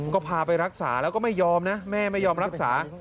ก็พาไปรักษาแล้วก็ไม่ยอมนะแม่ไม่ยอมรักษา